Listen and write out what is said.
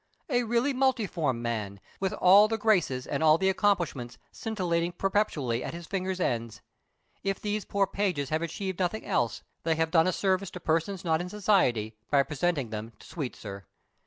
A really multiform man, with all the graces and all the accomplishments scintillating perpetually at his fingers' ends. If these poor pages have achieved nothing else, they have done a service to persons not in society by presenting them to Sweetsir.